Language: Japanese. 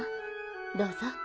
どうぞ。